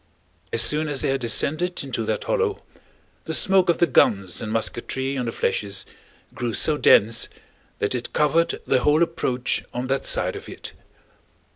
As soon as they had descended into that hollow, the smoke of the guns and musketry on the flèches grew so dense that it covered the whole approach on that side of it.